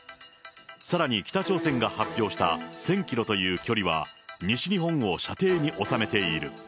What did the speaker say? さらに北朝鮮が発表した１０００キロという距離は、西日本を射程に収めている。